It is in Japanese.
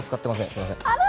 すいません。